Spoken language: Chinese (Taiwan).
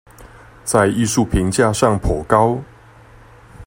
在藝術評價上頗高